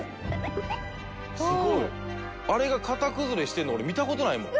「すごい！あれが型崩れしてるの俺見た事ないもん」